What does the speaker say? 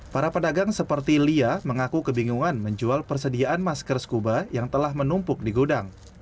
para pedagang seperti lia mengaku kebingungan menjual persediaan masker scuba yang telah menumpuk di gudang